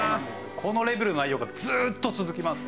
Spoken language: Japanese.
このレベルの内容がずーっと続きますね。